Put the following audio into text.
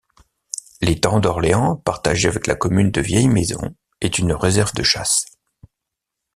L'étang d'Orléans, partagé avec la commune de Vieilles-Maisons, est une réserve de chasse.